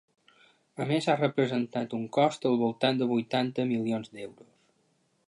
A més, ha representat un cost al voltant de vuitanta milions d’euros.